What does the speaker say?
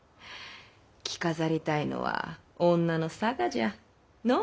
着飾りたいのは女の性じゃのぅ。